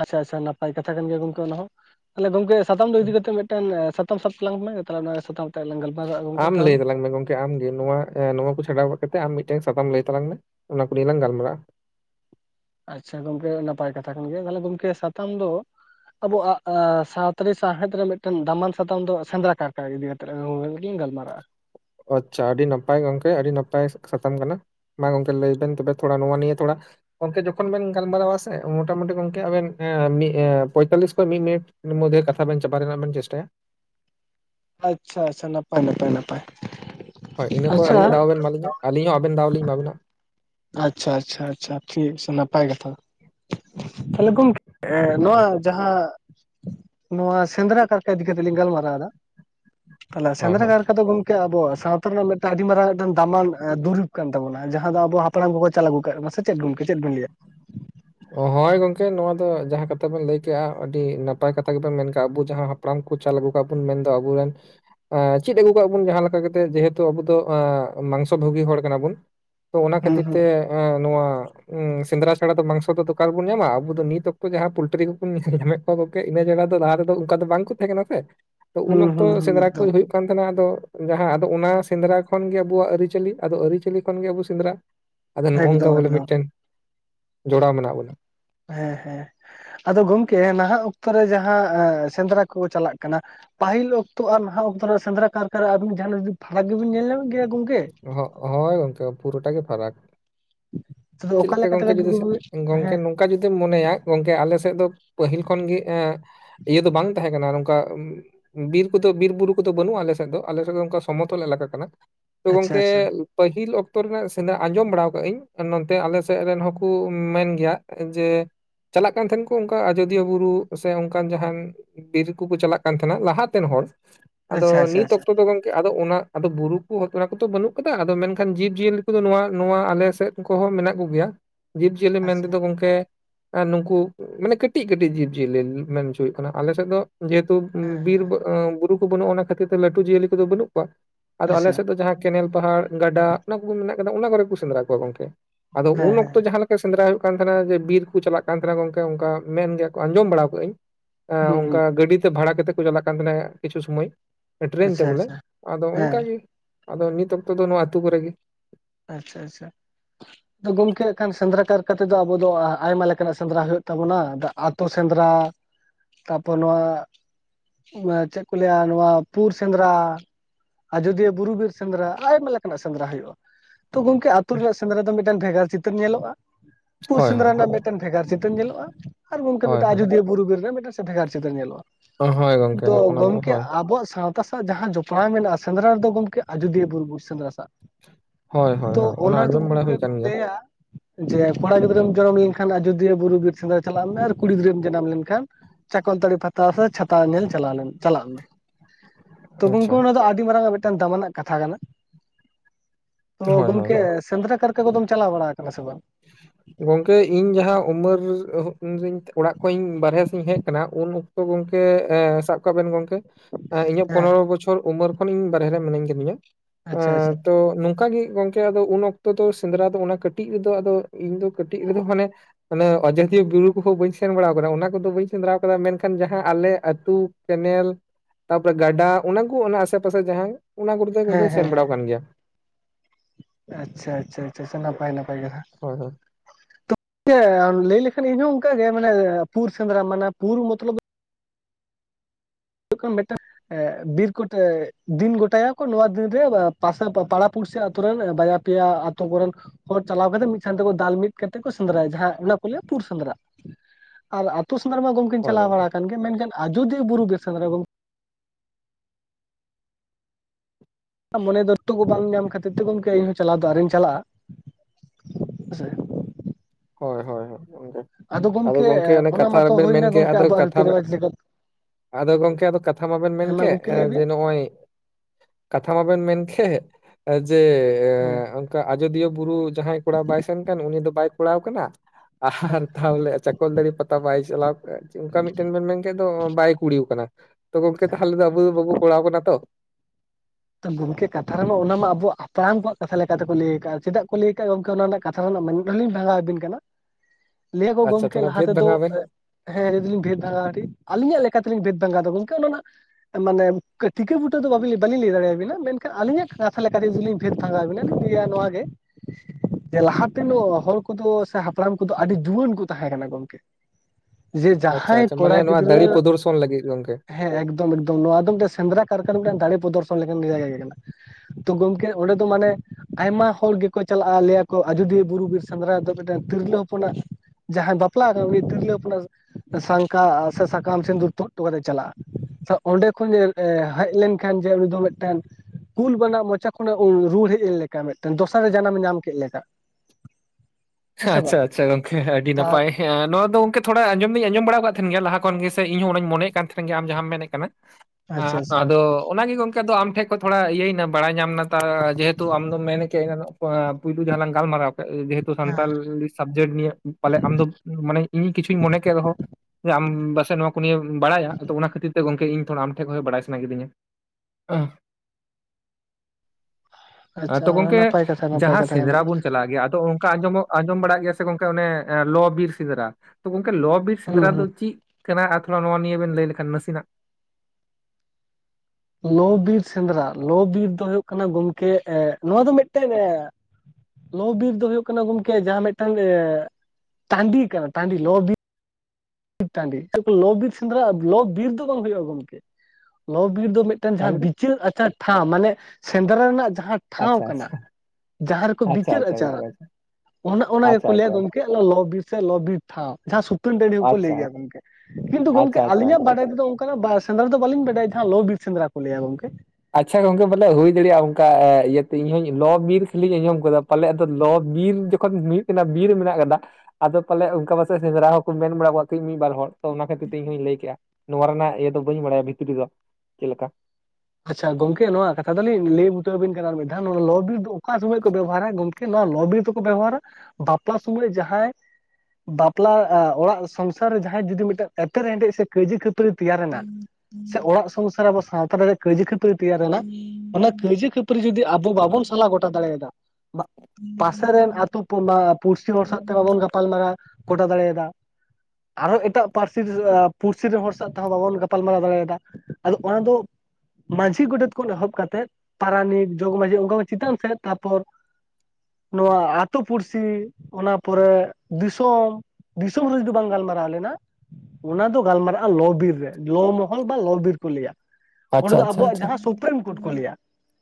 ᱟᱪᱪᱷᱟ ᱟᱪᱪᱷᱟ ᱱᱟᱯᱟᱭ ᱠᱟᱛᱷᱟ ᱠᱟᱱ ᱜᱮᱭᱟ ᱜᱚᱝᱠᱮ ᱚᱱᱟ ᱦᱚᱸ ᱛᱟᱦᱞᱮ ᱜᱚᱝᱠᱮ ᱥᱟᱛᱟᱢ ᱫᱚ ᱤᱫᱤ ᱠᱟᱛᱮᱜ ᱢᱤ ᱴᱮᱱ ᱮ ᱥᱟᱛᱟᱢ ᱥᱟᱵ ᱛᱟᱞᱟᱝ ᱢᱮ ᱛᱟᱦᱞᱮ ᱚᱱᱟ ᱥᱟᱛᱟᱢ ᱛᱮ ᱞᱟᱝ ᱜᱟᱞᱢᱟᱨᱟᱜᱼᱟ ᱜᱚᱝᱠᱮ ᱟᱢ ᱞᱟᱹᱭ ᱛᱟᱦᱚᱞᱮ ᱛᱟᱞᱟᱝ ᱢᱮ ᱜᱚᱝᱠᱮ ᱾ ᱟᱢᱜᱮ ᱱᱚᱣᱟᱸ ᱮᱸ ᱱᱚᱣᱟ ᱠᱚ ᱪᱷᱟᱰᱟᱣ ᱜᱚᱫ ᱠᱟᱛᱮ ᱟᱢ ᱢᱤᱫᱴᱮᱱ ᱥᱟᱛᱟᱢ ᱞᱟᱹᱭ ᱛᱟᱞᱟᱝ ᱢᱮ ᱚᱱᱟ ᱠᱚ ᱱᱤᱭᱮ ᱞᱟᱝ ᱜᱟᱞᱢᱟᱨᱟᱜᱼᱟ ᱾ ᱟᱪᱪᱷᱟ ᱜᱚᱝᱠᱮ ᱱᱟᱯᱟᱭ ᱠᱟᱛᱷᱟ ᱠᱟᱱ ᱜᱮᱭᱟ ᱛᱟᱦᱞᱮ ᱜᱚᱝᱠᱮ ᱥᱟᱛᱟᱢ ᱫᱚ ᱟᱵᱚᱣᱟᱜ ᱥᱟᱶᱛᱟᱲᱤ ᱥᱟᱶᱦᱮᱫ ᱨᱮ ᱢᱤᱫᱴᱮᱱ ᱫᱟᱢᱟᱱ ᱥᱟᱛᱟᱢ ᱫᱚ ᱥᱮᱸᱫᱽᱨᱟ ᱠᱟᱨᱠᱟ ᱤᱫᱤᱠᱟ [unintelligible] ᱜᱟᱞᱢᱟᱨᱟ-ᱟ ᱾ ᱟᱪᱪᱷᱟ ᱟᱹᱰᱤ ᱱᱟᱯᱟᱭ ᱜᱚᱝᱠᱮ ᱟᱹᱰᱤ ᱱᱟᱯᱟᱭ ᱥᱟᱛᱟᱢ ᱠᱟᱱᱟ ᱾ ᱢᱟ ᱜᱚᱝᱠᱮ ᱞᱟᱹᱭ ᱵᱮᱱ ᱛᱚᱵᱮ ᱛᱷᱚᱲᱟ ᱱᱚᱣᱟ ᱱᱤᱭᱟ ᱛᱷᱚᱲᱟ ᱾ ᱜᱚᱝᱠᱮ ᱡᱚᱠᱷᱚᱱ ᱵᱮᱱ ᱜᱟᱞᱢᱟᱨᱟᱣᱟ ᱥᱮ ᱢᱚᱴᱟᱢᱩᱴᱤ ᱜᱚᱝᱠᱮ ᱟᱵᱮᱱ ᱢᱤᱫ ᱯᱚᱭᱛᱟᱞᱞᱤᱥ ᱠᱷᱚᱡ ᱢᱤᱫ ᱢᱤᱱᱤᱴ ᱢᱚᱫᱽᱫᱷᱮ ᱠᱟᱛᱷᱟ ᱵᱮᱱ ᱪᱟᱵᱟ ᱨᱮᱱᱟᱜ ᱵᱮᱱ ᱪᱮᱥᱴᱟᱭᱟ ᱟᱪᱪᱷᱟ ᱟᱪᱪᱷᱟ ᱱᱟᱯᱟᱭ ᱱᱟᱯᱟᱭ ᱱᱟᱯᱟᱭ᱾ ᱦᱳ ᱤᱱᱟᱯᱚᱨ ᱟᱪᱪᱷᱟ ᱟᱹᱞᱤᱧ ᱫᱟᱣ ᱵᱮᱱ ᱮᱢᱟᱞᱤᱧᱟ ᱟᱹᱞᱤᱧ ᱦᱚᱸ ᱟᱵᱮᱱ ᱫᱟᱣ ᱞᱤ ᱮᱢᱟᱵᱮᱱᱟ ᱾ ᱟᱪᱪᱷᱟ ᱟᱪᱪᱷᱟ ᱟᱪᱷᱟ ᱴᱷᱤᱠ ᱟᱪᱮ ᱱᱟᱯᱟᱭ ᱠᱟᱛᱷᱟ, ᱛᱟᱦᱚᱞᱮ ᱜᱚᱝᱠᱮ ᱱᱚᱣᱟ ᱡᱟᱦᱟᱸ ᱱᱚᱣᱟ ᱥᱮᱸᱫᱽᱨᱟ ᱠᱟᱨᱠᱟ ᱤᱫᱤ ᱠᱟᱛᱮᱜ ᱞᱤᱧ ᱜᱟᱞᱢᱟᱨᱟᱣ ᱮᱫᱟ ᱾ ᱛᱟᱞᱮ ᱦᱳᱭ ᱥᱮᱸᱫᱽᱨᱟ ᱦᱳᱭ ᱠᱟᱨᱠᱟ ᱫᱚ ᱜᱚᱝ ᱟᱵᱭᱟ ᱥᱟᱶᱛᱟ ᱨᱮᱱᱟᱜ ᱢᱤᱫ ᱟᱹᱰᱤ ᱢᱟᱨᱟᱝ ᱫᱟᱢᱟᱱ ᱫᱩᱨᱤᱵ ᱠᱟᱱ ᱛᱟᱵᱚᱱᱟ ᱡᱟᱦᱟᱸ ᱫᱚ ᱟᱵᱚᱭᱟ ᱦᱟᱯᱲᱟᱢ ᱠᱚᱠᱚ ᱪᱟᱞ ᱟᱹᱜᱩ ᱟᱠᱟᱜ ᱠᱟᱱᱟ ᱥᱮ ᱪᱮᱫ ᱜᱚᱢᱞᱠᱮ ᱪᱮᱫ ᱵᱤᱱ ᱞᱟᱹᱭᱟ᱾ ᱦᱳᱭ ᱜᱚᱝᱠᱮ ᱱᱚᱣᱟ ᱫᱚ ᱡᱟᱦᱟᱸ ᱠᱟᱛᱷᱟ ᱵᱮᱱ ᱞᱟᱹᱭᱠᱮᱭ-ᱟ ᱟᱹᱰᱤ ᱱᱟᱯᱟᱭ ᱠᱟᱛᱷᱟ ᱜᱮᱵᱮᱱ ᱢᱮᱱᱠᱟ ᱟᱵᱩ ᱡᱟᱦᱟᱸ ᱦᱟᱯᱲᱟᱢ ᱠᱚ ᱪᱟᱞ ᱟᱹᱜᱩ ᱟᱵᱩ ᱢᱮᱱᱫᱟ ᱟᱵᱚᱨᱮᱱ ᱪᱤᱫ ᱟᱹᱜᱩ ᱠᱟᱜ ᱵᱚᱱ ᱡᱟᱦᱟ ᱞᱮᱠᱟ ᱠᱟᱛᱮ ᱡᱮᱦᱮᱛᱩ ᱟᱵᱚ ᱫᱚ ᱢᱟᱝᱥᱚ ᱵᱷᱩᱜᱤ ᱦᱚᱲ ᱠᱟᱱᱟ ᱵᱩᱱ ᱾ ᱛᱚ ᱚᱱᱟ ᱦᱩᱸ ᱠᱷᱟᱛᱤᱨ ᱦᱩᱸ ᱛᱮ ᱱᱚᱣᱟ ᱥᱮᱸᱫᱽᱨᱟ ᱪᱷᱟᱲᱟ ᱫᱚ ᱵᱟᱝ ᱚᱠᱛᱚ ᱫᱚᱠᱟᱱ ᱵᱚᱱ ᱧᱟᱢᱟ ᱟᱵᱚ ᱱᱤᱛ ᱚᱠᱛᱚ ᱡᱟᱦᱟᱸ ᱯᱚᱞᱴᱤᱨᱤ ᱠᱚᱵ ᱧᱮᱞ ᱧᱟᱢᱮᱫ ᱠᱚᱭᱟ ᱜᱚᱝᱠᱮ ᱤᱱᱟᱹ ᱡᱟᱭᱜᱟ ᱨᱮᱫᱚ ᱫᱚ ᱞᱟᱦᱟ ᱨᱮᱫᱚ ᱚᱱᱠᱟ ᱫᱚ ᱵᱟᱝ ᱛᱟᱦᱮᱸ ᱠᱟᱱᱟ ᱥᱮ ᱛᱚ ᱩᱱ ᱦᱩᱸ ᱚᱠᱛᱚ ᱦᱩᱸ ᱦᱩᱸ ᱥᱮᱸᱫᱽᱨᱟ ᱠᱚ ᱮᱠᱫᱚᱢ ᱦᱩᱭᱩᱜ - - ᱛᱟᱦᱮᱱᱟ ᱟᱫᱚ ᱡᱟᱦᱟᱸ ᱟᱫᱚ ᱚᱱᱟ ᱥᱮᱸᱫᱽᱨᱟ ᱠᱷᱚᱱ ᱜᱮ ᱟᱵᱚᱣᱟᱜ ᱟᱹᱨᱤᱪᱟᱹᱞᱤ ᱟᱹᱨᱤᱪᱟᱹᱞᱤ ᱠᱷᱚᱱᱜ ᱜᱮ ᱟᱵᱚ ᱥᱮᱸᱫᱽᱨᱟ᱾ ᱟᱫᱚ ᱱᱚᱝᱠᱟ ᱮᱠᱫᱚᱢ ᱵᱚᱞᱮ ᱮᱠᱫᱚᱢ ᱢᱤᱫᱴᱮᱱ ᱡᱚᱲᱟᱣ ᱢᱮᱱᱟᱜ ᱵᱚᱱᱟ᱾ ᱦᱮᱸ ᱦᱮᱸ ᱟᱫᱚ ᱜᱚᱝᱠᱮ ᱱᱟᱦᱟᱜ ᱚᱠᱛᱚ ᱨᱮ ᱡᱟᱦᱟᱸ ᱥᱮᱸᱫᱽᱨᱟ ᱠᱚ ᱪᱟᱞᱟᱜ ᱠᱟᱱᱟ ᱯᱟᱹᱦᱤᱞ ᱚᱠᱛᱚ ᱟᱨ ᱱᱟᱦᱟᱜ ᱚᱠᱛᱚ ᱨᱮᱱᱟᱜ ᱥᱮᱸᱫᱽᱨᱟ ᱠᱟᱨᱠᱟ ᱨᱮ ᱟᱵᱤᱱ ᱡᱟᱦᱟᱸ ᱡᱫᱤ ᱯᱷᱟᱲᱟᱠ ᱜᱮᱵᱤᱱ ᱧᱮᱞ ᱧᱟᱢᱮᱫ ᱜᱮᱭᱟ ᱜᱚᱝᱠᱮ? ᱦᱳ ᱦᱳᱭ ᱜᱚᱝᱠᱮ ᱯᱩᱨᱟ. ᱴᱟ ᱜᱮ ᱯᱷᱟᱨᱟᱠ᱾ ᱛᱚᱵᱮ ᱪᱮᱫ ᱚᱠᱟ ᱞᱮᱠᱟ ᱛᱮ ᱜᱚᱝᱠᱮ ᱡᱩᱫᱟᱹ ᱥᱤᱜ ᱜᱚᱝᱠᱮ ᱦᱮᱸ [inaudible] ᱚᱱᱠᱟ ᱡᱩᱫᱤᱢ ᱢᱚᱱᱮᱭᱟ ᱜᱚᱝᱠᱮ ᱟᱞᱮ ᱥᱮᱫ ᱫᱚ ᱯᱟᱹᱦᱤᱞ ᱠᱷᱚᱱ ᱜᱮ ᱤᱭᱟᱹ ᱫᱚ ᱵᱟᱝ ᱛᱟᱦᱮᱸ ᱠᱟᱱᱟ ᱱᱚᱝᱠᱟ ᱩ ᱵᱤᱨ ᱠᱚᱫᱚ ᱵᱤᱨ ᱵᱩᱨᱩ ᱠᱚᱫᱚ ᱵᱟᱹᱱᱩᱜ-ᱟ ᱟᱞᱮ ᱥᱮᱫ ᱫᱚ ᱟᱞᱮ ᱥᱮᱫ ᱫᱚ ᱚᱱᱠᱟ ᱥᱚᱢᱚᱛᱚᱞ ᱮᱞᱟᱠᱟ ᱠᱟᱱᱟ᱾ ᱛᱚ ᱟᱪᱪᱷᱟ ᱜᱚᱝᱠᱮ ᱟᱪᱪᱷᱟ ᱯᱟᱹᱦᱤᱞ ᱚᱠᱛᱚ ᱨᱮᱱᱟᱜ ᱥᱮᱸᱫᱽᱨᱟ ᱟᱸᱡᱚᱢ ᱵᱟᱲᱟ ᱠᱟᱜ ᱟᱹᱧ ᱛᱮ ᱟᱞᱮ ᱥᱮᱫ ᱨᱮᱱ ᱦᱚᱸᱠᱚ ᱢᱮᱱ ᱜᱮᱭᱟ ᱡᱮ ᱪᱟᱞᱟᱜ ᱠᱟᱱ ᱛᱟᱦᱮᱱ ᱠᱚ ᱚᱱᱠᱟ ᱟᱡᱚᱫᱤᱭᱟᱹ ᱵᱩᱨᱩ ᱥᱮ ᱚᱱᱠᱟᱱ ᱡᱟᱦᱟᱱ ᱵᱤᱨ ᱠᱚᱠᱚ ᱪᱟᱞᱟᱜ ᱠᱟᱱ ᱛᱟᱦᱮᱸᱱᱟ ᱞᱟᱦᱟᱛᱮᱱ ᱦᱚᱲ ᱟᱫᱚ ᱟᱪᱪᱷᱟ ᱟᱪᱪᱷᱟ ᱱᱤᱛ ᱟᱪᱪᱷᱟ ᱚᱠᱛᱚ ᱫᱚ ᱜᱚᱝᱠᱮ ᱟᱫᱚ ᱚᱱᱟ ᱟᱫᱚ ᱵᱩᱨᱩ ᱠᱚ ᱚᱱᱟ ᱠᱚᱫᱚ ᱵᱟᱹᱱᱩᱜ ᱠᱟᱫᱟ ᱟᱫᱚ ᱢᱮᱱᱠᱷᱟᱱ ᱡᱤᱵ ᱡᱤᱭᱟᱹᱞᱤ ᱠᱚᱫᱚ ᱱᱚᱣᱟ ᱱᱚᱣᱟ ᱟᱞᱮ ᱥᱮᱫ ᱠᱚᱦᱚᱸ ᱢᱮᱱᱟᱜ ᱠᱚᱜᱮᱭᱟ, ᱡᱤᱵᱽ ᱡᱤᱭᱟᱹᱞᱤ ᱢᱮᱱ ᱟᱪᱪᱷᱟ ᱛᱮᱫᱚ ᱜᱚᱝᱠᱮ ᱟᱨ ᱱᱩᱠᱩ ᱢᱟᱱᱮ ᱠᱟᱹᱴᱤᱡ ᱠᱟᱹᱴᱤᱡ ᱡᱤᱵᱽ ᱡᱤᱭᱟᱹᱞᱤ ᱢᱮᱱ ᱦᱚᱪᱚᱭ ᱦᱩᱭᱩᱜ ᱠᱟᱱᱟ, ᱟᱞᱮ ᱥᱮᱫ ᱫᱚ ᱡᱮᱦᱮᱛᱩ ᱦᱮᱸ ᱵᱤᱨ ᱦᱮᱸ ᱵᱩᱨᱩ ᱠᱚ ᱵᱟᱹᱱᱩᱜ-ᱟ ᱚᱱᱟ ᱠᱷᱟᱹᱛᱤᱨ ᱛᱮ ᱞᱟᱹᱴᱩ ᱡᱤᱭᱟᱹᱞᱤ ᱠᱚᱫᱚ ᱵᱟᱹᱱᱩᱜ ᱠᱚᱣᱟ᱾ ᱟᱫᱚ ᱟᱞᱮ ᱟᱪᱪᱷᱟ ᱥᱮᱫ ᱫᱚ ᱡᱟᱦᱟᱸ ᱠᱮᱱᱮᱞ ᱯᱟᱦᱟᱲ ᱜᱟᱰᱟ ᱚᱱᱟ ᱠᱚᱜᱮ ᱢᱮᱱᱟᱜ ᱟᱠᱟᱫᱟ ᱚᱱᱟ ᱠᱚᱨᱮ ᱠᱚ ᱥᱮᱸᱫᱽᱨᱟ ᱠᱚᱣᱟ ᱜᱚᱝᱠᱮ᱾ ᱟᱫᱚ ᱦᱮᱸ ᱩᱱ ᱦᱮᱸ ᱚᱠᱛᱚ ᱡᱟᱦᱟᱸ ᱞᱮᱠᱟ ᱥᱮᱸᱫᱽᱨᱟ ᱦᱩᱭᱩᱜ ᱠᱟᱱ ᱛᱟᱦᱮᱱᱟ ᱡᱮ ᱵᱤᱨ ᱠᱚ ᱪᱟᱞᱟᱜ ᱠᱟᱱ ᱛᱟᱦᱮᱱᱟ ᱜᱚᱝᱠᱮ ᱚᱱᱠᱟ ᱢᱮᱱ ᱜᱮᱭᱟ ᱠᱚ ᱟᱸᱡᱚᱢ ᱵᱟᱲᱟ ᱠᱟᱜ ᱟᱹᱧ ᱾ ᱮᱸ ᱦᱩᱸ ᱦᱩᱸ ᱚᱱᱠᱟ ᱜᱟᱹᱰᱤᱛᱮ ᱵᱷᱟᱲᱟ ᱠᱟᱛᱮᱜ ᱠᱚ ᱪᱟᱞᱟᱜ ᱠᱟᱱ ᱛᱟᱦᱮᱸᱱᱟ ᱠᱤᱪᱷᱩ ᱥᱚᱢᱚᱭ, ᱴᱨᱮᱹᱱ ᱛᱮ ᱟᱪᱪᱷᱟ ᱵᱚᱞᱮ ᱟᱪᱪᱷᱟ ᱟᱫᱚ ᱦᱮᱸ ᱚᱱᱠᱟᱜᱮ ᱟᱫᱚ ᱱᱤᱛ ᱚᱠᱛᱚ ᱫᱚ ᱱᱚᱣᱟ ᱟᱹᱛᱩ ᱠᱚᱨᱮ ᱜᱮ ᱾ ᱟᱪᱪᱷᱟ ᱟᱪᱪᱷᱟ᱾ ᱟᱫᱚ ᱜᱚᱢᱠᱮᱜ ᱠᱷᱟᱱ ᱥᱮᱸᱫᱽᱨᱟ ᱠᱟᱨᱠᱟ ᱛᱮᱫᱚ ᱟᱵᱚ ᱫᱚ ᱟᱭᱢᱟ ᱞᱮᱠᱟᱱᱟᱜ ᱥᱮᱸᱫᱽᱨᱟ ᱦᱩᱭᱩᱜ ᱛᱟᱵᱚᱱᱟ ᱟᱹᱛᱩ ᱥᱮᱸᱫᱽᱨᱟ, ᱛᱟᱨᱯᱚᱨ ᱱᱚᱣᱟ ᱪᱮᱫ ᱠᱚ ᱞᱟᱹᱭᱟ ᱱᱚᱣᱟ ᱯᱩᱨ ᱥᱮᱸᱫᱽᱨᱟ, ᱟᱡᱚᱫᱤᱭᱟᱹ ᱵᱩᱨᱩ ᱵᱤᱨ ᱥᱮᱸᱫᱽᱨᱟ ᱟᱭᱢᱟ ᱞᱮᱠᱟᱱᱟᱜ ᱥᱮᱸᱫᱽᱨᱟ ᱦᱩᱭᱩᱜ-ᱟ᱾ ᱛᱚ ᱜᱚᱝᱠᱮ ᱟᱹᱛᱳ ᱨᱮᱱᱟᱜ ᱥᱮᱸᱫᱽᱨᱟ ᱫᱚ ᱢᱤᱫᱴᱟᱝ ᱵᱷᱮᱜᱟᱨ ᱪᱤᱛᱟᱹᱨ ᱧᱮᱞᱚᱜ-ᱟ ᱯᱩᱨ ᱦᱳᱭ ᱥᱮᱸᱫᱽᱨᱟ ᱦᱳᱭ ᱨᱮᱱᱟᱜ ᱦᱳᱭ ᱢᱮᱫ ᱢᱤᱫᱴᱮᱱ ᱵᱷᱮᱜᱟᱨ ᱪᱤᱛᱟᱹᱨ ᱧᱮᱞᱚᱜ-ᱟ ᱟᱨ ᱜᱚᱝᱠᱮ ᱦᱳᱭ ᱢᱤᱫᱴᱮᱱ ᱟᱡᱚᱫᱤᱭᱟᱹ ᱵᱩᱨᱩ ᱵᱤᱨ ᱨᱮ ᱢᱤᱫᱴᱟ ᱥᱮ ᱵᱷᱮᱜᱟᱨ ᱪᱤᱛᱟᱹᱨ ᱦᱳᱭ ᱦᱳᱭ ᱧᱮᱞᱚᱜ-ᱟ᱾ ᱜᱚᱝᱠᱮ ᱫᱚ ᱚᱱᱟ ᱜᱚᱝᱠᱮ ᱦᱳᱭ ᱟᱵᱚᱣᱟᱜ ᱥᱟᱶ ᱛᱟᱥᱟᱜ ᱡᱟᱦᱟᱸ ᱡᱚᱯᱲᱟᱭ ᱢᱮᱱᱟᱜ-ᱟ ᱥᱮᱸᱫᱽᱨᱟ ᱨᱮᱫᱚ ᱜᱚᱝᱠᱮ ᱟᱡᱚᱫᱤᱭᱟᱹ ᱵᱩᱨᱩ ᱵᱩᱨ ᱥᱮᱸᱫᱽᱨᱟ ᱥᱟᱜ ᱦᱳᱭ ᱦᱳᱭ ᱛᱚ ᱦᱳᱭ ᱚᱱᱟ ᱨᱮ ᱫᱚ ᱟᱸᱡᱚᱢ ᱵᱟᱲᱟ ᱜᱚᱝᱠᱮ ᱦᱩᱭ ᱠᱚ ᱠᱟᱱ ᱜᱮᱭᱟ ᱞᱟᱹᱭᱟ ᱡᱮ ᱠᱚᱲᱟ ᱜᱤᱫᱽᱨᱟᱹᱢ ᱡᱟᱱᱚᱢ ᱞᱮᱱᱠᱷᱟᱱ ᱟᱡᱚᱫᱤᱭᱟᱹ ᱵᱩᱨᱩ ᱵᱤᱨ ᱥᱮᱸᱫᱽᱨᱟ ᱪᱟᱞᱟᱜ ᱢᱮ ᱟᱨ ᱠᱩᱲᱤ ᱜᱤᱫᱽᱨᱟᱹᱢ ᱡᱟᱱᱟᱢ ᱞᱮᱱᱠᱷᱟᱱ ᱪᱟᱠᱚᱞᱛᱟᱹᱲᱤ ᱯᱷᱟᱛᱟ ᱥᱮ ᱪᱷᱟᱛᱟ ᱧᱮᱞ ᱪᱟᱞᱟᱣ ᱞᱮᱱ ᱪᱟᱞᱟᱜ ᱢᱮ᱾ ᱛᱚ ᱜᱚᱝᱠᱮ ᱟᱪᱪᱷᱟ ᱚᱱᱟ ᱫᱚ ᱟᱹᱰᱤ ᱢᱟᱨᱟᱝᱟᱜ ᱢᱤᱫᱴᱟᱝ ᱫᱟᱢᱟᱱᱟᱜ ᱠᱟᱛᱷᱟ ᱠᱟᱱᱟ᱾ ᱛᱚ ᱦᱳᱭ ᱦᱳᱭ ᱜᱚᱢᱠᱮ ᱦᱳᱭ ᱥᱮᱸᱫᱽᱨᱟ ᱠᱟᱨᱠᱟ ᱠᱚᱫᱚᱢ ᱪᱟᱞᱟᱣ ᱵᱟᱲᱟ ᱠᱟᱱᱟ ᱥᱮ ᱵᱟᱝ? ᱜᱚᱝᱠᱮ ᱤᱧ ᱡᱟᱦᱟᱸ ᱩᱢᱟᱹᱨ ᱦᱩᱜᱩᱱ ᱡᱤᱧ ᱚᱲᱟᱜ ᱠᱷᱚᱡ ᱤᱧ ᱵᱟᱨᱦᱮ ᱥᱮᱧ ᱦᱮᱡ ᱠᱟᱱᱟ ᱩᱱ ᱚᱠ ᱛᱚ ᱜᱚᱝᱠᱮ ᱮ ᱥᱟᱵ ᱠᱟᱜᱵᱮᱱ ᱜᱚᱝᱠᱮ ᱮᱸ ᱤᱧᱟᱹᱜ ᱦᱮᱸ ᱯᱚᱱᱨᱚ ᱵᱚᱪᱷᱚᱨ ᱩᱢᱟᱹᱨ ᱠᱷᱚᱱ ᱤᱧ ᱵᱟᱨᱦᱨᱮ ᱨᱮ ᱢᱤᱱᱟᱹᱧ ᱠᱟᱫᱤᱧᱟ᱾ ᱟᱪᱪᱷᱟ ᱟᱪᱪᱷᱟ ᱮᱸ ᱛᱚ ᱱᱚᱝᱠᱟ ᱜᱤ ᱜᱚᱝᱠᱮ ᱟᱫᱚ ᱩᱱ ᱚᱠᱛᱚ ᱫᱚ ᱥᱮᱸᱫᱽᱨᱟ ᱫᱚ ᱚᱱᱟ ᱠᱟᱹᱴᱤᱡ ᱨᱮᱫᱚ ᱟᱫᱚ ᱤᱧ ᱫᱚ ᱠᱟᱹᱴᱤᱜ ᱨᱮᱫᱚ ᱦᱟᱱᱮ ᱟᱱᱮ ᱚᱡᱚᱫᱤᱭᱟᱹ ᱵᱩᱨᱩ ᱠᱚᱦᱚᱸ ᱵᱟᱹᱧ ᱥᱮᱱ ᱵᱟᱲᱣᱟᱠᱟᱱᱟ ᱚᱱᱟ ᱠᱚᱫᱚ ᱵᱟᱹᱧ ᱥᱮᱸᱫᱽᱨᱟ ᱟᱠᱟᱫᱟ ᱢᱮᱱᱠᱷᱟᱱ ᱡᱟᱦᱟᱸ ᱟᱞᱮ ᱟᱹᱛᱩ ᱠᱮᱱᱮᱞ ᱛᱟᱯᱚᱨᱮ ᱜᱟᱰᱟ ᱚᱱᱟ ᱠᱩ ᱚᱱᱟ ᱟᱥᱮ ᱯᱟᱥᱮ ᱡᱟᱦᱟᱸ ᱚᱱᱟ ᱠᱚᱨᱮ ᱫᱚ ᱦᱮᱸ ᱜᱚᱝᱠᱮᱧ ᱦᱮᱸ ᱥᱮᱱ ᱵᱟᱲᱟ ᱦᱮᱸ ᱣᱟᱠᱟᱱ ᱜᱮᱭᱟ᱾ ᱟᱪᱪᱷᱟ ᱟᱪᱪᱷᱟ ᱟᱪᱪᱷᱟ ᱥᱮ ᱱᱟᱯᱟᱭ ᱱᱟᱯᱟᱭ ᱠᱟᱛᱷᱟ᱾ ᱦᱳᱭ ᱦᱳᱭ [unintelligible] ᱞᱟᱹᱭ ᱞᱮᱠᱷᱟᱱ ᱤᱧᱦᱚᱸ ᱚᱱᱠᱟ ᱜᱮ ᱢᱟᱱᱮ ᱯᱩᱨ ᱥᱮᱸᱫᱽᱨᱟ ᱢᱟᱱᱮ ᱯᱩᱨ ᱢᱚᱛᱚᱞᱚᱵ [unintelligible] ᱢᱮᱫᱴᱟ ᱮᱸᱜ ᱵᱤᱨ ᱠᱚᱴᱮ ᱫᱤᱱ ᱜᱚᱴᱟᱭᱟᱠᱚ ᱱᱚᱣᱟ ᱫᱤᱱ ᱨᱮ ᱯᱟᱥᱮ ᱯᱮ ᱯᱟ ᱯᱟᱲᱟ ᱯᱩᱲᱥᱤ ᱟᱛᱩᱨ ᱨᱮᱱ ᱵᱟᱭᱟᱨ ᱯᱮᱭᱟ ᱟᱛᱚ ᱠᱚᱨᱮᱱ ᱦᱚᱲ ᱪᱟᱞᱟᱣ ᱠᱟᱛᱮᱫ ᱢᱤᱫ ᱥᱟᱶᱛᱮ ᱛᱮᱠᱚ ᱫᱟᱞ ᱢᱤᱫ ᱠᱟᱛᱮᱫ ᱠᱚ ᱥᱮᱸᱫᱽᱨᱟᱭᱟ ᱡᱟᱦᱟᱸ ᱚᱱᱟ ᱠᱚ ᱞᱟᱹᱭᱟ ᱯᱩᱨ ᱥᱮᱸᱫᱽᱨᱟ᱾ ᱟᱨ ᱟᱹᱛᱳ ᱥᱮᱸᱫᱽᱨᱟ ᱢᱟ ᱜᱚᱝᱠᱤᱧ ᱦᱳᱭ ᱪᱟᱞᱟᱣ ᱜᱚᱝᱠᱮ ᱵᱟᱲᱟ ᱠᱟᱱ ᱜᱮ ᱢᱮᱱᱠᱷᱟᱱ ᱟᱡᱚᱫᱤᱭᱟᱹ ᱵᱩᱨᱩ ᱵᱮᱹᱨ ᱥᱮᱸᱫᱽᱨᱟ ᱜᱚᱝ ᱢᱚᱱᱮᱨ ᱫᱚᱨᱛᱚ ᱠᱚ ᱵᱟᱝ ᱧᱟᱢ ᱠᱷᱟᱹᱛᱤᱨ ᱛᱮ ᱜᱚᱢᱠᱮ ᱤᱧᱦᱚ ᱪᱟᱞᱟᱣ ᱫᱚ ᱟᱨᱤᱧ ᱪᱟᱞᱟᱜ-ᱟ ᱦᱮᱸᱥᱮ᱾ ᱦᱚᱭ ᱦᱚᱭ ᱦᱚᱭ ᱜᱚᱝᱠᱮ ᱟᱫᱚ ᱜᱚᱢᱠᱮ ᱜᱚᱝᱠᱮ ᱚᱱᱮ ᱚᱱᱟ ᱠᱟᱛᱷᱟ ᱨᱮ ᱢᱟᱛᱚ ᱵᱮᱱ ᱢᱮᱱ ᱦᱩᱭᱱᱟ ᱠᱮᱫ ᱜᱚᱢᱠᱮ ᱟᱫᱚ ᱟᱵᱚᱣᱟᱜ ᱠᱟᱛᱷᱟ ᱨᱤᱛᱤ ᱨᱮᱣᱟᱡᱽ ᱞᱮᱠᱟ ᱟᱫᱚ ᱜᱚᱝᱠᱮ ᱟᱫᱚ ᱠᱟᱛᱷᱟ ᱢᱟᱵᱮᱱ ᱦᱮᱸ ᱢᱟ ᱢᱮᱱᱠᱮᱜ ᱜᱚᱢᱠᱮ ᱞᱟᱹᱭ ᱡᱮ ᱵᱤᱱ ᱱᱚᱜ-ᱚᱭ ᱠᱟᱛᱷᱟ ᱢᱟᱵᱮᱱ ᱢᱮᱱᱠᱷᱮᱜ ᱡᱮ ᱦᱮᱸ ᱚᱱᱠᱟ ᱟᱡᱚᱫᱤᱭᱟᱹ ᱵᱩᱨᱩ ᱡᱟᱦᱟᱸᱭ ᱠᱚᱲᱟ ᱵᱟᱭ ᱥᱮᱱ ᱠᱟᱱ ᱩᱱᱤ ᱫᱚ ᱵᱟᱭ ᱠᱚᱲᱟᱣ ᱟᱠᱟᱱᱟ ᱟᱨ ᱦᱮᱸ ᱛᱟᱦᱚᱞᱮ ᱪᱟᱠᱚᱞᱛᱟᱲᱤ ᱯᱟᱛᱟ ᱵᱟᱭ ᱪᱟᱞᱟᱣ [unintelligible] ᱚᱱᱠᱟ ᱢᱤᱫᱴᱮᱱ ᱵᱮᱱ ᱢᱮᱱᱠᱮᱫ ᱫᱚ ᱵᱟᱭ ᱠᱩᱲᱤᱣ ᱟᱠᱟᱱᱟ᱾ ᱛᱚ ᱜᱚᱝᱠᱮ ᱛᱟᱦᱚᱞᱮ ᱫᱚ ᱟᱵᱩ ᱫᱩ ᱵᱟᱵᱩ ᱠᱚᱲᱟᱣ ᱠᱟᱱᱟ ᱛᱚ? ᱛᱚ ᱜᱚᱢᱠᱮ ᱠᱟᱛᱷᱟ ᱨᱮᱢᱟ ᱚᱱᱟ ᱢᱟ ᱟᱵᱚᱣᱟᱜ ᱦᱟᱯᱲᱟᱢ ᱠᱚᱣᱟᱜ ᱠᱟᱛᱷᱟ ᱞᱮᱠᱟᱛᱮᱠᱚ ᱞᱟᱹᱭ ᱟᱠᱟᱟᱜ-ᱟ, ᱪᱮᱫᱟᱜ ᱠᱚ ᱞᱟᱹᱭ ᱟᱠᱟᱜ-ᱟ ᱚᱝᱠᱟ ᱚᱱᱟ ᱨᱮᱱᱟᱜ ᱠᱟᱛᱷᱟ ᱛᱷᱟ ᱨᱮᱱᱟᱜ ᱢᱮᱱᱮᱫ ᱦᱚᱞᱤᱧ ᱵᱷᱟᱜᱟᱣᱟᱵᱤᱱ ᱠᱟᱱᱟ ᱞᱟᱹᱭᱟᱠᱚ ᱟᱪᱪᱷᱟ ᱜᱚᱢᱠᱮ ᱛᱷᱚᱲᱟ ᱞᱟᱦᱟ ᱵᱷᱮᱫ ᱛᱮᱫᱚ ᱵᱷᱟᱜᱟᱣ ᱵᱮᱱ ᱮᱸᱜ ᱦᱮᱸ ᱡᱩᱫᱤᱞᱤᱧ ᱵᱷᱮᱹᱫᱽ ᱵᱷᱟᱸᱜᱟᱣᱟ ᱴᱷᱤᱠ ᱟᱹᱞᱤᱧᱟᱜ ᱞᱮᱠᱟᱛᱮᱞᱤᱧ ᱵᱷᱮᱫᱽ ᱵᱷᱟᱸᱜᱟᱣ ᱫᱟ ᱜᱚᱝᱠᱟ ᱚᱱᱟ ᱱᱟᱦᱟᱜ ᱢᱟᱱᱮ ᱠᱟᱹ ᱴᱷᱤᱠᱟᱹ ᱵᱩᱴᱟᱹ ᱫᱚ ᱵᱟᱵᱤᱱ ᱞᱟᱹ ᱵᱟᱹᱞᱤᱧ ᱞᱟᱹᱭ ᱫᱟᱲᱮᱭᱟᱵᱤᱱᱟ ᱢᱮᱱᱠᱷᱟ ᱟᱹᱞᱤᱧᱟᱜ ᱠᱟᱛᱷᱟ ᱞᱮᱠᱟᱛᱮ ᱡᱩᱫᱤ ᱞᱤᱧ ᱵᱷᱮᱫᱽ ᱵᱷᱟᱸᱜᱟᱣᱵᱤᱱᱟ ᱞᱟᱹᱭᱟ ᱱᱚᱣᱟ ᱜᱮ ᱡᱮ ᱞᱟᱦᱟᱛᱮᱱᱚᱜ ᱦᱚᱲ ᱠᱚᱫᱚ ᱥᱮ ᱦᱟᱯᱲᱟᱢ ᱠᱚᱫᱚ ᱟᱹᱰᱤ ᱡᱩᱣᱟᱹᱱ ᱠᱚ ᱛᱟᱦᱮᱸ ᱠᱟᱱᱟ ᱜᱚᱢᱠᱮ᱾ ᱡᱮ ᱟᱪᱪᱷᱟ ᱡᱟᱦᱟᱸᱭ ᱟᱪᱪᱷᱟ ᱢᱟᱱᱮ ᱠᱚᱲᱟ ᱱᱚᱣᱟ ᱜᱤᱫᱽᱨᱟᱹ ᱫᱟᱲᱮ ᱯᱨᱚᱫᱚᱨᱥᱚᱱ ᱞᱟᱹᱜᱤᱫ ᱜᱚᱝᱠᱮ ᱦᱮᱸ ᱮᱠᱫᱚᱢ ᱮᱠᱫᱚᱢ ᱱᱚᱣᱟ ᱫᱚ ᱢᱤᱫᱴᱟᱹᱝ ᱥᱮᱸᱫᱽᱨᱟ ᱠᱟᱨᱠᱟ ᱨᱮ ᱢᱤᱫᱴᱟᱝ ᱫᱟᱲᱮ ᱯᱨᱚᱫᱚᱨᱥᱚᱱ ᱞᱮᱠᱟᱱ ᱜᱮ ᱡᱟᱭᱜᱟ ᱜᱮ ᱠᱟᱱᱟ᱾ ᱛᱚ ᱜᱚᱢᱠᱮ ᱚᱸᱰᱮ ᱫᱚ ᱢᱟᱱᱮ ᱟᱭᱢᱟ ᱦᱚᱲ ᱜᱮᱠᱚ ᱪᱟᱞᱟᱜ-ᱟ ᱞᱟᱹᱭ ᱟᱠᱚ ᱟᱡᱚᱫᱤᱭᱟᱹ ᱵᱩᱨᱩ ᱵᱤᱨ ᱥᱮᱸᱫᱽᱨᱟ ᱫᱚ ᱢᱤᱫᱴᱟᱝ ᱛᱤᱨᱞᱟᱹ ᱦᱚᱯᱚᱱᱟᱜ ᱡᱟᱦᱟᱸᱭ ᱵᱟᱯᱞᱟᱣ ᱟᱠᱟᱱᱟ ᱩᱱᱤ ᱛᱤᱨᱞᱟᱹ ᱦᱚᱯᱚᱱᱟᱜ ᱥᱟᱝᱠᱟ ᱥᱮ ᱥᱟᱠᱟᱢ ᱥᱤᱸᱫᱩᱨ ᱛᱳᱫ ᱴᱚ ᱠᱟᱛᱮᱫ ᱮ ᱪᱟᱞᱟᱜ-ᱟ᱾ ᱛᱚ ᱚᱸᱰᱮ ᱠᱷᱚᱱᱮ ᱮ ᱦᱮᱡ ᱞᱮᱱᱠᱷᱟᱱ ᱡᱮ ᱩᱱᱤ ᱫᱚ ᱢᱤᱫᱴᱮᱱ ᱠᱩᱞ ᱵᱟᱱᱟ ᱢᱚᱪᱟ ᱠᱷᱚᱱᱟᱜ ᱨᱩᱣᱟᱹᱲ ᱦᱮᱡ ᱮᱱ ᱞᱮᱠᱟ ᱢᱮᱫᱴᱟᱱ ᱫᱚᱥᱟᱨ ᱡᱟᱱᱟᱢ ᱧᱟᱢ ᱠᱮᱫ ᱞᱮᱠᱟ᱾ [inaudible] ᱟᱪᱪᱷᱟ ᱵᱟᱝ ᱟᱪᱪᱷᱟ ᱜᱚᱝᱠᱮ ᱟᱹᱰᱤ ᱛᱟ ᱱᱟᱯᱟᱭ ᱾ ᱦᱮᱸ ᱱᱚᱣᱟ ᱫᱚ ᱜᱚᱢᱠᱮ ᱛᱷᱚᱲᱟ ᱟᱸᱡᱚᱢ ᱫᱚᱧ ᱟᱸᱡᱚᱢ ᱵᱟᱲᱟ ᱟᱠᱟᱫ ᱛᱟᱦᱮᱱ ᱜᱮᱭᱟ ᱞᱟᱦᱟ ᱠᱷᱚᱱ ᱜᱮ ᱥᱮ ᱤᱧᱦᱚᱸ ᱚᱱᱟᱧ ᱢᱚᱱᱮ ᱮᱫ ᱠᱟᱱ ᱛᱟᱦᱮᱱ ᱜᱮᱭᱟ ᱟᱢ ᱡᱟᱦᱟᱸᱢ ᱢᱮᱱᱮᱫ ᱠᱟᱱᱟ᱾ [inaudible] ᱟ ᱟᱪᱪᱷᱟ ᱟᱫᱚ ᱚᱱᱟᱜᱮ ᱜᱚᱢᱠᱮ ᱟᱫᱚ ᱟᱢ ᱴᱷᱮᱱ ᱠᱷᱚᱱ ᱛᱷᱚᱲᱟ ᱤᱭᱟᱹᱭ ᱮᱱᱟ ᱵᱟᱲᱟᱭ ᱧᱟᱢ ᱮᱱᱟ ᱾ ᱟ ᱡᱮᱦᱮᱛᱩ ᱟᱢᱫᱚᱢ ᱢᱮᱱ ᱠᱮᱫ ᱮᱱᱟᱱᱚᱜ ᱯᱩᱭᱞᱩ ᱡᱟᱦᱟᱸ ᱞᱟᱝ ᱜᱟᱞᱢᱟᱨᱟᱣ ᱠᱮᱫ ᱡᱮᱦᱮᱛᱩ ᱦᱮᱸ ᱥᱟᱱᱛᱟᱞᱤ ᱥᱟᱵᱡᱮᱠᱴ ᱱᱤᱭᱟᱹ ᱯᱟᱞᱮᱜ ᱟᱢᱫᱚ ᱢᱟᱱᱮ ᱤᱧ ᱠᱤᱪᱷᱩᱧ ᱢᱚᱱᱮ ᱠᱮᱫ ᱨᱮᱦᱚᱸ ᱮ ᱟᱢ ᱯᱟᱥᱮ ᱱᱚᱣᱟ ᱠᱚ ᱱᱤᱭᱟᱹ ᱵᱟᱲᱟᱭᱟ ᱱᱤᱛᱚᱜ ᱚᱱᱟ ᱠᱷᱟᱹᱛᱤᱨ ᱛᱮ ᱜᱚᱝᱠᱮ ᱤᱧ ᱛᱷᱚᱲᱟ ᱟᱢ ᱴᱷᱮᱡ ᱠᱷᱚᱡ ᱵᱟᱰᱟᱭ ᱥᱟᱱᱟ ᱠᱤᱫᱤᱧᱟ ᱾ [inaudible] [inaudible] ᱟᱪᱪᱷᱟ ᱟᱫᱚ ᱜᱚᱝᱠᱮ ᱱᱟᱯᱟᱭ ᱠᱟᱛᱷᱟ ᱱᱟᱯᱟᱭ ᱡᱟᱦᱟᱸ ᱠᱟᱛᱷᱟ ᱠᱟᱱ ᱥᱮᱸᱫᱽᱨᱟ ᱜᱮᱭᱟ ᱵᱚᱱ ᱪᱟᱞᱟᱜ ᱜᱮᱭᱟ ᱟᱫᱚ ᱚᱱᱠᱟ ᱟᱸᱡᱚᱢᱚᱜ ᱟᱸᱡᱚᱢ ᱵᱟᱲᱟᱜ ᱜᱮᱭᱟ ᱥᱮ ᱜᱚᱝᱠᱮ ᱚᱱᱮ ᱮᱸ ᱞᱚ ᱵᱤᱨ ᱥᱮᱸᱫᱽᱨᱟ, ᱛᱚ ᱜᱚᱝᱠᱮ ᱞᱚ ᱵᱤᱨ ᱥᱮᱸᱫᱽᱨᱟ ᱦᱩᱸ ᱫᱚ ᱦᱩᱸ ᱪᱮᱫ ᱠᱟᱱᱟ ᱟᱨ ᱛᱷᱚᱲᱟ ᱱᱚᱣᱟ ᱱᱤᱭᱟᱹ ᱵᱮᱱ ᱞᱟᱹᱭ ᱞᱮᱠᱷᱟᱱ ᱱᱟᱥᱮᱱᱟᱜ ᱞᱚ ᱵᱤᱨ ᱥᱮᱸᱫᱽᱨᱟ ᱞᱚ ᱵᱤᱨ ᱫᱚ ᱦᱩᱭᱩᱜ ᱠᱟᱱᱟ ᱜᱚᱢᱠᱮ ᱮ ᱱᱚᱣᱟ ᱫᱚ ᱢᱤᱫᱴᱮᱡ ᱮ ᱞᱚ ᱵᱤᱨ ᱫᱚ ᱦᱩᱭᱩᱜ ᱠᱟᱱᱟ ᱜᱚᱢᱠᱮ ᱡᱟᱦᱟᱸ ᱢᱤᱫᱴᱟᱝ ᱮ ᱴᱟᱺᱰᱤ ᱠᱟᱱᱟ ᱴᱟᱺᱰᱤ, ᱞᱚ ᱵᱤᱨ ᱵᱤᱨ ᱴᱟᱺᱰᱤ ᱪᱮᱫ ᱞᱚ ᱵᱤᱨ ᱥᱮᱸᱫᱽᱨᱟ ᱞᱚ ᱵᱤᱨ ᱫᱚ ᱵᱟᱝ ᱦᱩᱭᱩᱜ-ᱟ ᱜᱚᱢᱠᱮ ᱾ [inaudible] ᱞᱚ ᱵᱤᱨ ᱫᱚ ᱢᱤᱫ ᱢᱤᱫᱴᱮᱱ ᱛᱟᱦᱚᱞᱮ ᱡᱟᱦᱟᱸ ᱫᱚ ᱵᱤᱪᱟᱹᱨ ᱟᱪᱟᱨ ᱴᱷᱟᱶ ᱢᱟᱱᱮ ᱥᱮᱸᱫᱽᱨᱟ ᱨᱮᱱᱟᱜ ᱡᱟᱦᱟᱸ ᱴᱷᱟᱶ ᱟᱪᱪᱷᱟ ᱠᱟᱱᱟ ᱟᱪᱪᱷᱟ ᱾ [inaudible] ᱡᱟᱦᱟᱸ ᱨᱮᱠᱚ ᱟᱪᱪᱷᱟ ᱵᱤᱪᱟᱹᱨ ᱟᱪᱪᱷᱟ ᱟᱪᱟᱨᱟ ᱟᱪᱪᱷᱟ ᱚᱱᱮ ᱚᱱᱟ ᱟᱪᱪᱷᱟ ᱜᱮᱠᱚ ᱞᱟᱹᱭᱟ ᱟᱪᱪᱷᱟ ᱜᱚᱝᱠᱮ ᱞᱚᱵᱤᱨ ᱥᱮ ᱞᱚᱵᱤᱨ ᱴᱷᱟᱶ ᱾ ᱡᱟᱦᱟᱸ ᱥᱩᱛᱟᱹᱱ ᱴᱟᱺᱰᱤ ᱠᱚ ᱞᱟᱹᱭ ᱟᱪᱪᱷᱟ ᱜᱮᱭᱟ ᱜᱚᱝᱠᱮ ᱾ ᱠᱤᱱᱛᱩ ᱜᱚᱝᱠᱮ ᱟᱪᱪᱷᱟ ᱟᱪᱪᱷᱟ ᱟᱹᱞᱤᱧᱟᱜ ᱟᱪᱪᱷᱟ ᱵᱟᱰᱟᱭ ᱛᱮᱫᱚ ᱚᱱᱠᱟᱱᱟᱜ ᱵᱟᱥ ᱥᱮᱸᱫᱽᱨᱟ ᱫᱚ ᱵᱟᱹᱞᱤᱧ ᱵᱟᱰᱟᱭᱟ ᱡᱟᱦᱟᱸ ᱞᱚ ᱵᱤᱨ ᱥᱮᱸᱫᱽᱨᱟ ᱠᱚ ᱞᱟᱹᱭᱟ ᱜᱚᱝᱠᱮ ᱾ ᱟᱪᱪᱷᱟ ᱜᱚᱝᱠᱮ ᱵᱚᱞᱮ ᱦᱩᱭ ᱫᱟᱲᱮᱭᱟᱜ-ᱟ ᱚᱱᱠᱟ ᱤᱭᱟᱹᱛᱮ ᱤᱧ ᱦᱚᱧ ᱞᱚ ᱵᱤᱨᱤᱨ ᱠᱷᱟᱹᱞᱤᱧ ᱟᱸᱡᱚᱢ ᱟᱠᱟᱫᱟ ᱾ ᱯᱟᱞᱮᱜ ᱟᱫᱚ ᱞᱚ ᱵᱤᱨ ᱡᱚᱠᱷᱚᱱ ᱦᱩᱭᱩᱜ ᱠᱟᱱᱟ ᱵᱤᱨ ᱨᱮ ᱢᱮᱱᱟᱜ ᱟᱠᱟᱫᱟ ᱾ ᱟᱫᱚ ᱯᱟᱞᱮ ᱚᱱᱠᱟ ᱯᱟᱥᱮᱡ ᱥᱮᱸᱫᱽᱨᱟ ᱦᱚᱸᱠᱚ ᱢᱮᱱ ᱵᱟᱲᱟ ᱠᱚᱣᱟ ᱛᱤᱦᱤᱧ ᱢᱤᱫ ᱵᱟᱨ ᱦᱚᱲ, ᱛᱚ ᱚᱱᱟ ᱠᱷᱟᱹᱛᱤᱨ ᱛᱮᱧ ᱞᱟᱹᱭ ᱠᱮᱫ-ᱟ᱾ ᱱᱚᱣᱟ ᱨᱮᱱᱟᱜ ᱤᱭᱟᱹ ᱫᱚ ᱵᱟᱹᱧ ᱵᱟᱲᱟᱭᱟ ᱵᱷᱤᱛᱨᱤ ᱫᱚ ᱪᱮᱫ ᱞᱮᱠᱟ ᱾ ᱟᱪᱪᱷᱟ ᱜᱚᱝᱠᱮ ᱱᱚᱣᱟ ᱠᱟᱛᱷᱟ ᱫᱚᱞᱤᱧ ᱞᱟᱹᱭ ᱵᱩᱴᱟᱹᱣ ᱟᱹᱵᱤᱱ ᱠᱟᱱᱟ ᱟᱨ ᱢᱤᱫ ᱫᱷᱟᱣ ᱞᱚ ᱵᱤᱨ ᱫᱚ ᱚᱠᱟ ᱥᱚᱢᱚᱭ ᱠᱚ ᱵᱮᱵᱚᱦᱟᱨᱟ ᱜᱚᱢ ᱠᱮ ᱱᱚᱣᱟ ᱞᱚ ᱵᱤᱨ ᱫᱚᱠᱚ ᱵᱮᱵᱚᱦᱟᱨᱟ ᱵᱟᱯᱞᱟ ᱥᱚᱢᱚᱭ ᱡᱟᱦᱟᱸᱭ ᱵᱟᱯᱞᱟ ᱮᱸ ᱚᱲᱟᱜ ᱥᱚᱝᱥᱟᱨ ᱨᱮ ᱡᱟᱦᱟᱸᱭ ᱡᱩᱫᱤ ᱢᱤᱫᱴᱮᱡ ᱮᱯᱮᱨ ᱦᱮᱸᱰᱮᱡ ᱥᱮ ᱠᱟᱹᱭᱡᱤ ᱠᱷᱟᱹᱯᱟᱹᱨᱤ ᱛᱮᱭᱟᱨ ᱮᱱᱟ ᱥᱮ ᱚᱲᱟᱜ ᱥᱚᱝᱥᱟᱨ ᱟᱵᱚᱣᱟᱜ ᱥᱟᱶᱛᱟ ᱨᱮ ᱠᱟᱹᱭᱡᱟᱹ ᱠᱷᱟᱹᱯᱟᱹᱨᱤ ᱛᱮᱭᱟᱨ ᱮᱱᱟ, ᱚᱱᱟ ᱠᱟᱹᱭᱡᱟᱹ ᱠᱷᱟᱹᱯᱟᱹᱨᱤ ᱡᱩᱫᱤ ᱟᱵᱚ ᱵᱟᱵᱚᱱ ᱥᱟᱞᱟ ᱜᱚᱴᱟ ᱫᱟᱲᱮᱭᱟᱫᱟ ᱯᱟᱥᱮ ᱨᱮᱱ ᱟᱹᱛᱩ ᱯᱩᱢᱟ ᱯᱩᱲᱥᱤ ᱦᱚᱲ ᱥᱟᱜ ᱛᱮ ᱵᱟᱵᱚᱱ ᱜᱟᱯᱟᱞ ᱢᱟᱨᱟᱣ ᱜᱚᱴᱟ ᱫᱟᱲᱮᱭᱟᱫᱟ ᱟᱨᱦᱚᱸ ᱮᱴᱟᱜ ᱯᱟᱹᱨᱥᱤ ᱯᱩᱲᱥᱤ ᱨᱮᱱ ᱦᱚᱲ ᱥᱟᱶ ᱛᱮᱦᱚᱸ ᱵᱟᱵᱚᱱ ᱜᱟᱯᱟᱞᱢᱟᱨᱟᱣ ᱫᱟᱲᱮᱭᱟᱫᱟ ᱾ ᱟᱫᱚ ᱚᱱᱟ ᱫᱚ ᱢᱟᱹᱡᱷᱤ ᱜᱚᱰᱮᱛ ᱠᱷᱚᱱ ᱮᱦᱚᱵ ᱠᱟᱛᱮᱫ ᱯᱟᱨᱟᱱᱤᱠ, ᱡᱚᱜᱽ ᱢᱟᱹᱡᱷᱤ ᱚᱱᱠᱟ ᱜᱮ ᱪᱮᱛᱟᱱ ᱥᱮᱫ ᱛᱟᱨᱯᱚᱨ ᱱᱚᱣᱟ ᱟᱹᱛᱩ ᱯᱩᱲᱥᱤ ᱚᱱᱟ ᱯᱚᱨᱮ ᱫᱤᱥᱚᱢ ᱫᱤᱥᱚᱢ [unintelligible] ᱡᱩᱫᱤ ᱵᱟᱝ ᱜᱟᱞᱢᱟᱨᱟᱣ ᱞᱮᱱᱟ ᱚᱱᱟ ᱫᱚ ᱜᱟᱞᱢᱟᱨᱟᱜ-ᱟ ᱞᱚ ᱵᱤᱨ ᱨᱮ, ᱞᱚ ᱢᱚᱦᱚᱞ ᱵᱟᱝ ᱞᱚ ᱵᱤᱨ ᱠᱚ ᱞᱟᱹᱭᱟ ᱾ ᱟᱪᱪᱷᱟ ᱚᱸᱰᱮ ᱫᱚ ᱟᱪᱪᱷᱟ ᱟᱵᱚᱣᱟᱜ ᱟᱪᱪᱷᱟ ᱡᱟᱦᱟᱸ ᱥᱩᱯᱨᱤᱢ ᱠᱳᱨᱴ ᱠᱚ ᱞᱟᱹᱭᱟ,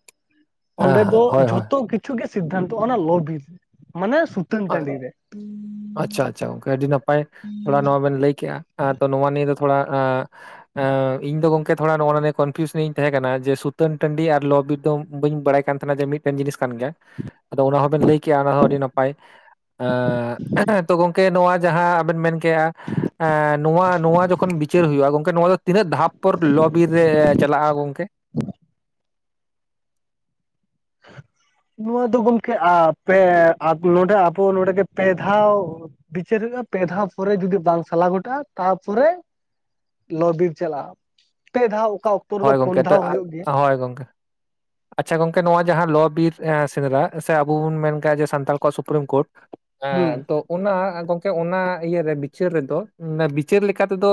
[inaudible] ᱦᱮᱸ ᱚᱸᱰᱮ ᱦᱮᱸ ᱫᱚ ᱦᱳᱭ ᱦᱳᱭ ᱡᱷᱚᱛᱚ ᱠᱤ ᱪᱷᱩ ᱜᱮ ᱥᱤᱫᱽᱫᱷᱟᱱᱛᱚ-ᱟ ᱚᱱᱟ ᱞᱚᱼᱵᱤᱨ ᱢᱟᱱᱮ ᱥᱩ ᱚ ᱾ [inaudible] ᱟᱪᱪᱷᱟ ᱟᱪᱪᱷᱟ ᱜᱚᱝᱠᱮ ᱟᱹᱰᱤ ᱱᱟᱯᱟᱭ, ᱛᱷᱚᱲᱟ ᱱᱚᱣᱟ ᱵᱮᱱ ᱞᱟᱹᱭ ᱠᱮᱜ-ᱟ᱾ ᱛᱚ ᱱᱚᱶᱟ ᱱᱤᱭᱟᱹ ᱫᱚ ᱛᱷᱚᱲᱟ ᱮᱸ ᱮᱸ ᱤᱧ ᱫᱚ ᱜᱚᱢ ᱠᱮ ᱛᱷᱚᱲᱟ ᱱᱚᱜ-ᱚᱱᱟ ᱱᱤᱭᱟ ᱠᱚᱱᱯᱷᱤᱭᱩᱥ ᱧᱚᱜ ᱤᱧ ᱛᱟᱦᱮᱸ ᱠᱟᱱᱟ, ᱡᱮ ᱥᱩᱛᱟᱹᱱ ᱴᱟᱺᱰᱤ ᱟᱨ ᱞᱚ ᱵᱤᱨ ᱫᱚ ᱵᱟᱹᱧ ᱵᱟᱲᱟᱭ ᱠᱟᱱ ᱛᱟᱦᱮᱱᱟ ᱡᱮ, ᱢᱤᱫ ᱴᱮᱱ ᱡᱤᱱᱤᱥ ᱠᱟᱱ ᱜᱮᱭᱟ ᱾ [inaudible] ᱟᱫᱚ ᱚᱱᱟ ᱦᱚᱸ ᱵᱮᱱ ᱞᱟᱹᱭ ᱠᱮᱜ-ᱟ ᱚᱱᱟ ᱦᱚᱸ ᱟᱹᱰᱤ ᱱᱟ ᱯᱟᱭ, ᱟᱸ ᱛᱚ ᱜᱚᱢᱠᱮ ᱱᱚᱣᱟ ᱡᱟᱦᱟᱸ ᱟᱵᱮᱱ ᱢᱮᱱ ᱠᱮᱜ-ᱟ ᱮ ᱱᱚᱣᱟ ᱱᱚᱣᱟ ᱡᱚᱠᱷᱚᱱ ᱵᱤᱪᱟᱹᱨ ᱦᱩᱭᱩᱜ-ᱟ ᱜᱚᱝᱠᱮ ᱱᱚᱣᱟ ᱫᱚ ᱛᱤᱱᱟᱹᱜ ᱫᱷᱟᱯ ᱯᱚᱨ ᱞᱚ ᱵᱤᱨ ᱨᱮ ᱪᱟᱞᱟᱜ-ᱟ ᱜᱚᱝᱠᱮ? [inaudible] [inaudible] ᱱᱚᱣᱟ ᱫᱚ ᱜᱚᱝᱠᱮ ᱟ ᱯᱮ ᱟ ᱱᱚᱰᱮ ᱟᱵᱚ ᱱᱚᱰᱮᱜᱮ ᱯᱮ ᱫᱷᱟᱣ ᱵᱤᱪᱟᱹᱨ ᱦᱩᱭᱩᱜ-ᱟ, ᱯᱮ ᱫᱷᱟᱣ ᱯᱚᱨᱮ ᱡᱩᱫᱤ ᱵᱟᱝ ᱥᱟᱞᱟ ᱜᱷᱚᱴᱟᱜ-ᱟ ᱛᱟᱯᱚᱨᱮ ᱞᱚ ᱵᱤᱨ ᱪᱟᱞᱟᱜᱼᱟ, ᱯᱮ ᱫᱷᱟᱣ ᱚᱠᱟ ᱚᱠ ᱦᱳᱭ ᱜᱚᱝᱠᱮ ᱚᱱᱟ ᱛᱮ ᱟᱜ, ᱦᱳᱭ ᱜᱚᱝᱠᱮ᱾ ᱟᱪᱪᱷᱟ ᱜᱚᱝᱠᱮ ᱱᱚᱣᱟ ᱡᱟᱦᱟᱸ ᱞᱚᱼᱵᱤᱨ ᱮᱸ ᱥᱮᱸᱫᱽᱨᱟ ᱥᱮ ᱟᱵᱚ ᱵᱚᱱ ᱢᱮᱱ ᱠᱟᱜ-ᱟ ᱡᱮ ᱥᱟᱱᱛᱟᱞ ᱠᱚᱣᱟᱜ ᱥᱩᱯᱨᱤᱢ ᱠᱳᱨᱴ᱾ ᱦᱩᱸ ᱮᱸ ᱛᱚ ᱚᱱᱟ ᱜᱚᱝᱠᱮ ᱚᱱᱟ ᱤᱭᱟᱹ ᱨᱮ ᱵᱤᱪᱟᱹᱨ ᱨᱮᱫᱚ, ᱚᱱᱮ ᱵᱤᱪᱟᱹᱨ ᱞᱮᱠᱟ ᱛᱮᱫᱚ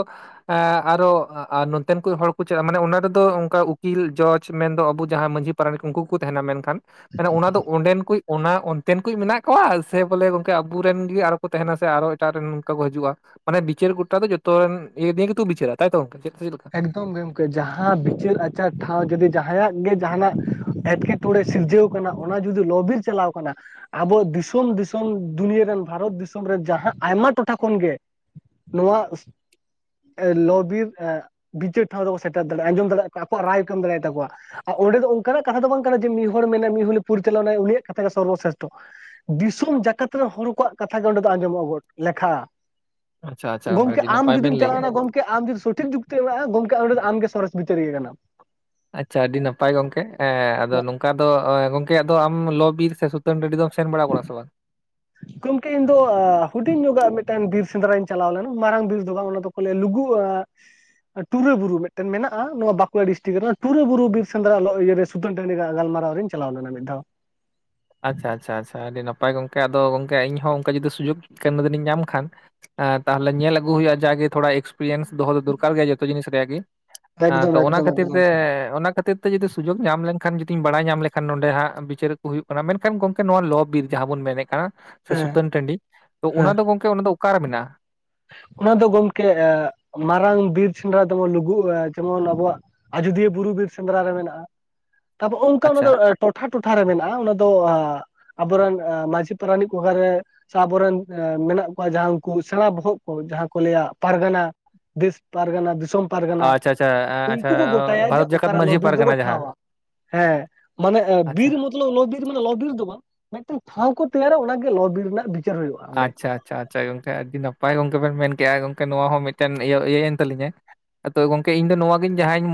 ᱮᱸᱻ ᱟᱨᱚ ᱱᱚᱱᱛᱮᱱ ᱠᱩᱡ ᱦᱚᱲ ᱠᱚ ᱪᱟᱜ ᱢᱟᱱᱮ ᱚᱱᱟ ᱨᱮᱫᱚ ᱚᱝᱠᱟ ᱩᱠᱤᱞ, ᱡᱚᱡ ᱢᱮᱱᱫᱚ ᱟᱵᱚ ᱡᱟᱦᱟᱸ ᱢᱟᱺᱡᱷᱤ ᱯᱟᱨᱟᱱᱤᱠ ᱩᱱᱠᱩ ᱠᱚ ᱛᱟᱦᱮᱸᱱᱟ ᱢᱮᱱᱠᱷᱟᱱ ᱢᱟᱱᱮ ᱚᱱᱟ ᱫᱚ ᱚᱸᱰᱮᱱ ᱠᱩᱭᱤᱡᱽ ᱚᱱᱟ ᱚᱱᱛᱮᱱ ᱠᱩᱡᱽ ᱢᱮᱱᱟᱜ ᱠᱚᱣᱟ ᱥᱮ ᱵᱚᱞᱮ ᱜᱚᱝᱠᱮ ᱟᱵᱚ ᱨᱮᱱ ᱜᱮ ᱟᱨᱚ ᱠᱚ ᱛᱟᱦᱮᱸᱱᱟ ᱥᱮ ᱟᱨᱚ ᱮᱴᱟᱜ ᱨᱮᱱ ᱱᱚᱝᱠᱟ ᱠᱚ ᱦᱟᱡᱩᱜᱼᱟ? ᱢᱟᱱᱮ ᱵᱤᱪᱟᱹᱨ ᱜᱚᱴᱟ ᱫᱚ ᱡᱚᱛᱚ ᱨᱮᱱ ᱤᱭᱟᱹ ᱫᱤᱭᱮ ᱜᱮᱛᱚ ᱵᱤᱪᱟᱹᱨᱟ ᱛᱟᱭ ᱛᱚ ᱜᱚᱝᱠᱮ [unintelligible] ᱡᱷᱚᱛᱚᱢ ᱜᱮ ᱜᱚᱝᱠᱮ ᱡᱟᱦᱟᱸ ᱵᱤᱪᱟᱹᱨ ᱟᱪᱟᱨ ᱴᱷᱟᱶ ᱡᱩᱫᱤ ᱡᱟᱦᱟᱸᱭᱟᱜ ᱜᱮ ᱡᱟᱦᱟᱸᱱᱟᱜ ᱮᱴᱠᱮ ᱴᱚᱲᱮ ᱥᱤᱨᱡᱟᱹᱣ ᱠᱟᱱᱟ, ᱚᱱᱟ ᱡᱩᱫᱤ ᱞᱚ-ᱵᱤᱨ ᱪᱟᱞᱟᱣ ᱠᱟᱱᱟ, ᱟᱵᱚ ᱫᱤᱥᱚᱢ ᱫᱤᱥᱚᱢ ᱫᱩᱱᱤᱭᱟᱹ ᱨᱮᱱ ᱵᱷᱟᱨᱚᱛ ᱫᱤᱥᱚᱢ ᱨᱮᱱ ᱡᱟᱦᱟᱸ ᱟᱭᱢᱟ ᱴᱚᱴᱷᱟ ᱠᱷᱚᱱᱜᱮ ᱱᱚᱣᱟ, ‌ᱮᱸ ᱞᱚ-ᱵᱤᱨ ᱮᱸ ᱵᱤᱪᱟᱹᱨ ᱴᱷᱟᱶ ᱨᱮᱠᱚ ᱥᱮᱴᱮᱨ ᱫᱟᱲᱮᱜ-ᱟ, ᱟᱸᱡᱚᱢ ᱫᱟᱲᱮᱜ-ᱟ ᱠᱚ, ᱟᱠᱚᱣᱟᱜ ᱨᱟᱭ ᱠᱚ ᱮᱢ ᱫᱟᱲᱮᱭ ᱛᱟᱠᱚᱣᱟ᱾ ᱟ ᱚᱸᱰᱮ ᱫᱚ ᱚᱝᱠᱟᱱᱟᱜ ᱠᱟᱛᱷᱟ ᱫᱚ ᱵᱟᱝ ᱠᱟᱱᱟ ᱡᱮ ᱢᱤᱫ ᱦᱚᱲ ᱢᱮᱱᱟᱭ, ᱢᱤᱫ ᱦᱚᱞᱮ ᱯᱚᱨᱤᱪᱟᱞᱚᱱᱟᱭ ᱩᱱᱤᱭᱟᱜ ᱠᱟᱛᱷᱟ ᱜᱮ ᱥᱚᱨᱵᱚ ᱥᱨᱮᱥᱴᱷᱚ᱾ ᱫᱤᱥᱚᱢ ᱡᱟᱠᱟᱛ ᱨᱮᱱ ᱦᱚᱲ ᱠᱚᱣᱟᱜ ᱠᱟᱛᱷᱟ ᱜᱮ ᱚᱸᱰᱮ ᱫᱚ ᱟᱸᱡᱚᱢᱚᱜᱼᱟ ᱜᱚᱴ ᱞᱮᱠᱷᱟᱜ-ᱟ᱾ ᱟᱪᱪᱷᱟ ᱟᱪᱪᱷᱟ ᱜᱚᱝᱠᱮ ᱟᱹᱰᱤ ᱟᱢ ᱱᱟᱯᱟᱭ ᱵᱮᱱ ᱡᱩᱫᱤᱢ ᱞᱟᱹᱭ ᱠᱮᱜᱼᱟ ᱪᱟᱞᱟᱣᱱᱟ ᱜᱚᱝ ᱠᱮ ᱟᱢ ᱡᱩᱫᱤ ᱥᱚᱴᱷᱤᱠ ᱡᱩᱠᱛᱤ ᱮᱢᱚᱜᱼᱟ ᱜᱚᱝᱠᱮ ᱚᱸᱰᱮ ᱫᱚ ᱟᱢ ᱜᱮ ᱥᱚᱨᱮᱥ ᱵᱤᱪᱟᱹᱨᱤᱭᱟ. ᱠᱟᱱᱟᱢ᱾ ᱟᱪᱪᱷᱟ ᱟᱹᱰᱤ ᱱᱟᱯᱟᱭ ᱜᱚᱝᱠᱮ, ᱮᱸ ᱟᱫᱚ ᱱᱚᱝᱠᱟ ᱫᱚ [unintelligible] ᱜᱚᱝᱠᱮ ᱟᱫᱚ ᱟᱢ ᱞᱚ-ᱵᱤᱨ ᱥᱮ ᱥᱩ ᱛᱟᱹᱱ ᱴᱟᱺᱰᱤ ᱫᱚᱢ ᱥᱮᱱ ᱵᱟᱲᱟᱣ ᱠᱟᱱᱟ ᱥᱮ ᱵᱟᱝ? ᱜᱚᱝᱠᱮ ᱤᱧ ᱫᱚ ᱦᱩᱰᱤᱧ ᱧᱚᱜᱟᱜ ᱢᱤᱫ ᱴᱮᱱ ᱵᱤᱨ ᱥᱮᱸᱫᱽᱨᱟᱧ ᱪᱟᱞᱟᱣ ᱞᱮᱱᱟ ᱢᱟᱨᱟᱝ ᱵᱤᱨ ᱫᱚ ᱵᱟᱝ ᱚᱱᱟ ᱫᱚ ᱠᱚ ᱞᱟᱹᱭᱟ ᱞᱩᱜᱩ ᱟᱜ ᱴᱩᱨᱟᱹ ᱵᱩᱨᱩ ᱢᱤᱫᱴᱮᱱ ᱢᱮᱱᱟᱜᱼᱟ ᱱᱚᱣᱟ ᱵᱟᱸᱠᱩᱲᱟ ᱰᱤᱥᱴᱤᱠ ᱨᱮ, ᱚᱱᱟ ᱴᱩᱨᱟᱹ ᱵᱩᱨᱩ ᱵᱤᱨ ᱥᱮᱸᱫᱽᱨᱟ ᱞᱚ ᱤᱭᱟᱹ ᱨᱮ ᱥᱩᱛᱟᱹᱱ ᱴᱟᱺᱰᱤ ᱨᱮᱭᱟᱜ ᱜᱟᱞᱢᱟᱨᱟᱣ ᱨᱤᱧ ᱪᱟᱞᱟᱣ ᱞᱮᱱᱟ ᱢᱤᱫ ᱫᱷᱟᱣ᱾ ᱟᱪᱪᱷᱟ ᱟᱪᱪᱷᱟ ᱟᱪᱪᱷᱟ, ᱟᱹᱰᱤ ᱱᱟᱯᱟᱭ ᱜᱚᱝᱠᱮ ᱟᱫᱚ ᱜᱚᱝᱠᱮ ᱤᱧ ᱦᱚᱸ ᱚᱝᱠᱟ ᱡᱩᱫᱤ ᱥᱩᱡᱩᱜ, ᱠᱳᱱᱳ ᱫᱤᱱᱤᱧ ᱧᱟᱢ ᱠᱷᱟᱱ ᱮᱸ ᱛᱟᱦᱟᱞᱮ ᱧᱮᱞ ᱟᱹᱜᱩ ᱦᱩᱭᱩᱜᱼᱟ ᱡᱟᱜᱮ ᱛᱷᱚᱲᱟ ᱮᱠᱥᱯᱨᱤᱭᱮᱱᱥ ᱫᱚᱦᱚ ᱫᱚ ᱫᱚᱨᱠᱟᱨ ᱜᱮ ᱡᱚᱛᱚ ᱡᱤᱱᱤᱥ ᱨᱮᱭᱟᱜ ᱜᱮ᱾ ᱟᱸ ᱮᱠᱫᱚᱢ ᱛᱚ ᱚᱱᱟ ᱮᱠᱫᱚᱢ ᱠᱷᱟᱹᱛᱤᱨ ᱮᱠᱫᱚᱢ ᱛᱮ, ᱚᱱᱟ ᱠᱷᱟᱹᱛᱤᱨ ᱛᱮ ᱡᱩᱫᱤ ᱥᱩᱡᱳᱜ ᱧᱟᱢ ᱞᱮᱝᱠᱷᱟᱱ ᱡᱩᱫᱤᱧ ᱵᱟᱲᱟᱭ ᱧᱟᱢ ᱞᱮᱠᱷᱟᱱ ᱱᱚᱰᱮ ᱦᱟᱸᱜ ᱵᱤᱪᱟᱹᱨ ᱠᱚ ᱦᱩᱭᱩᱜ ᱚᱱᱟ ᱢᱮᱱᱠᱷᱟᱱ ᱜᱚᱝᱠᱮ ᱱᱚᱣᱟ ᱞᱚᱼᱵᱤᱨ ᱡᱟᱦᱟᱸ ᱵᱚᱱ ᱢᱮᱱᱮᱫ ᱠᱟᱱᱟ ᱥᱮ ᱦᱮᱸ ᱥᱩᱛᱟᱹᱱ ᱴᱟᱺᱰᱤ, ᱛᱚ ᱦᱮᱸ ᱚᱱᱟ ᱫᱚ ᱜᱚᱝ ᱠᱮ ᱚᱱᱟ ᱫᱚ ᱚᱠᱟ ᱨᱮ ᱢᱮᱱᱟᱜᱼᱟ? ᱚᱱᱟ ᱫᱚ ᱜᱚᱝᱠᱮ ᱮᱸ ᱢᱟᱨᱟᱝ ᱵᱤᱨ ᱥᱮᱸᱫᱽᱨᱟ ᱫᱚ ᱵᱚ ᱞᱩᱜᱩ ᱡᱮᱢᱚᱱ ᱟᱵᱚᱣᱟᱜ ᱟᱡᱚᱫᱤᱭᱟᱹ ᱵᱩᱨᱩ ᱵᱤᱨ ᱥᱮᱸᱫᱽᱨᱟ ᱨᱮ ᱢᱮᱱᱟᱜᱼᱟ, ᱛᱟᱯᱚᱨ ᱚᱝᱠᱟ ᱚᱱᱟ ᱟᱪᱪᱷᱟ ᱫᱚ ᱴᱚᱴᱷᱟ ᱴᱚᱴᱷᱟ ᱨᱮ ᱢᱮᱱᱟᱜᱼᱟ, ᱚᱱᱟ ᱫᱚ ᱦᱟᱸᱜ ᱟᱵᱚ ᱨᱮᱱ ᱮᱸ ᱢᱟᱺᱡᱷᱤ ᱯᱟᱨᱟᱱᱤᱠ ᱠᱚ ᱚᱠᱟ ᱨᱮ ᱥᱮ ᱟᱵᱚ ᱨᱮᱱ ᱢᱮᱱᱟᱜ ᱠᱚᱣᱟ ᱡᱟᱦᱟᱸ ᱩᱱᱠᱩ ᱥᱮᱬᱟ ᱵᱚᱦᱚᱜ ᱠᱚ ᱡᱟᱦᱟᱸ ᱠᱚ ᱞᱟᱹᱭᱟ ᱯᱟᱨᱜᱟᱱᱟ, ᱫᱮᱥ ᱯᱟᱨᱜᱟᱱᱟ, ᱫᱤᱥᱚᱢ ᱯᱟᱨᱜᱟᱱᱟ, ᱟᱪᱪᱷᱟ ᱟᱪᱪᱷᱟ ᱩᱝᱠᱩ ᱟᱪᱪᱷᱟ ᱠᱚ ᱜᱚᱴᱟᱭᱟ ᱡᱮ ᱵᱷᱟᱨᱚᱛ ᱡᱟᱠᱟᱛ ᱚᱠᱟᱨᱮ ᱢᱟᱺᱡᱷᱤ ᱞᱚ-ᱵᱤᱨ ᱫᱚ ᱠᱚ ᱯᱟᱨᱜᱟᱱᱟ ᱡᱟᱦᱟᱸ ᱴᱷᱟᱶᱟ᱾ ᱦᱮᱸ, ᱢᱟᱱᱮ ᱮᱸ ᱟᱪᱪᱷᱟ ᱵᱤᱨ ᱢᱚ ᱞᱚ, ᱞᱚ-ᱵᱤᱨ ᱢᱟᱱᱮ ᱞᱚ-ᱵᱤᱨ ᱫᱚ ᱵᱟᱝ, ᱢᱤᱫᱴᱮᱱ ᱴᱷᱟᱶ ᱠᱚ ᱛᱮᱭᱟᱨᱟ ᱚᱱᱟ ᱜᱮ ᱞᱚ-ᱵᱤᱨ ᱨᱮᱱᱟᱜ ᱵᱤ ᱟᱪᱪᱷᱟ ᱟᱪᱪᱷᱟ ᱟᱪᱪᱷᱟ ᱜᱚᱝᱠᱮ, ᱟᱹᱰᱤ ᱱᱟᱯᱟᱭ ᱜᱚᱝᱠᱮ ᱵᱮᱱ ᱢᱮᱱ ᱠᱮᱜᱼᱟ ᱜᱚᱝᱠᱮ ᱱᱚᱣᱟ ᱦᱚᱸ ᱢᱤᱫᱴᱮᱱ ᱤᱭᱟᱹ ᱤᱭᱟᱹᱭᱮᱱ ᱛᱟᱹᱞᱤᱧᱟ, ᱟᱨ ᱛᱚᱵᱮ ᱜᱚᱝᱠᱮ ᱤᱧᱫᱚ ᱱᱚᱣᱟᱜᱤᱧ ᱡᱟᱦᱟᱸᱧ ᱢᱚᱱᱮ